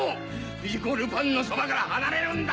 不二子ルパンのそばから離れるんだ！